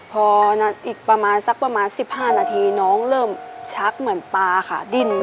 พอสักประมาณ๑๕นาทีน้องเริ่มชักเหมือนปลาค่ะ